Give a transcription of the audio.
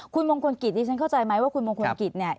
คุณมงคลกลกิจนี่ฉันเข้าใจไหมว่าคุณมงคลกลกิจ